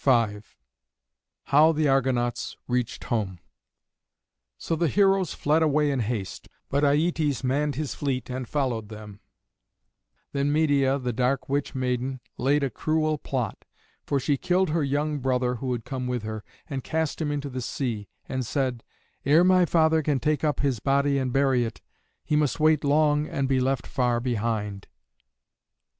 V HOW THE ARGONAUTS REACHED HOME So the heroes fled away in haste, but Aietes manned his fleet and followed them. Then Medeia, the dark witch maiden, laid a cruel plot, for she killed her young brother who had come with her, and cast him into the sea, and said, "Ere my father can take up his body and bury it, he must wait long and be left far behind."